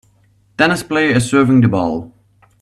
Tennis player is serving the ball.